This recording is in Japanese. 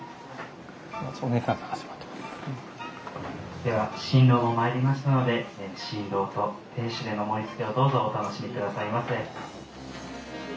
では新郎も参りましたので新郎と亭主での盛りつけをどうぞお楽しみくださいませ。